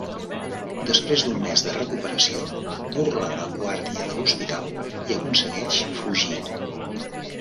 Després d'un mes de recuperació, burla la guàrdia de l'hospital i aconsegueix fugir.